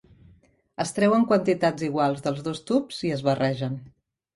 Es treuen quantitats iguals dels dos tubs i es barregen.